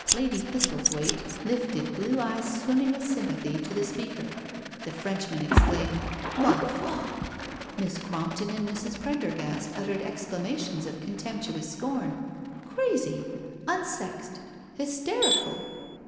Lady Thistlethwaite lifted blue eyes swimming with sympathy to the speaker; the Frenchman exclaimed, ''Ma foil " Miss Crompton and Mrs. Prendergast uttered exclamations of contemptuous scorn, •• Crazy," "unsexed," •'hysterical."